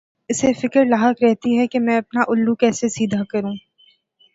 اسے فکر لاحق رہتی ہے کہ میں اپنا الو کیسے سیدھا کروں۔